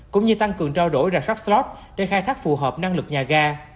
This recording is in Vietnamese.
cũng như tăng cường trao đổi ra track slot để khai thác phù hợp năng lực nhà ga